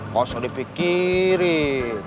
gak usah dipikirin